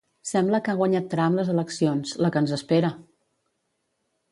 Sembla que ha guanyat Trump les eleccions, la que ens espera!